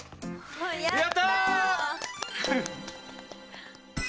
やった！